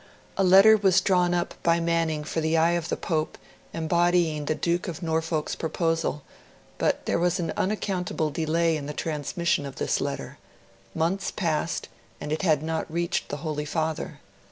A letter was drawn up by Manning for the eye of the Pope, embodying the Duke of Norfolk's proposal; but there was an unaccountable delay in the transmission of this letter; months passed, and it had not reached the Holy Father.